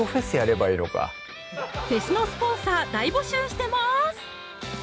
フェスのスポンサー大募集してます！